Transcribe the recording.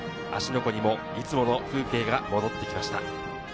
湖にも、いつもの風景が戻ってきました。